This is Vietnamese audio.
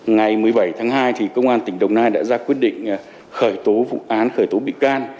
ngày một mươi bảy tháng hai công an tỉnh đồng nai đã ra quyết định khởi tố vụ án khởi tố bị can